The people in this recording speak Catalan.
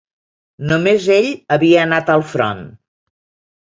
Només ell havia anat al front.